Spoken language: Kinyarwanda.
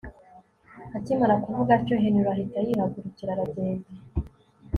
akimara kuvuga atyo Henry ahita yihagurukira aragenda